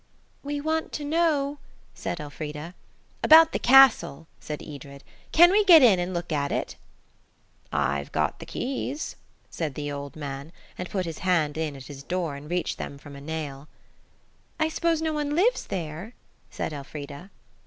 "We want to know–" said Elfrida. "About the castle," said Edred, "Can we get in and look at it?" "I've got the keys," said the old man, and put his hand in at his door and reached them from a nail. "I s'pose no one lives there?" said Elfrida.